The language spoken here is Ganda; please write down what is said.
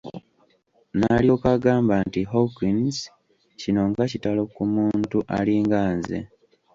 N'alyoka agamba nti Hawkins, kino nga kitalo ku muntu alinga nze!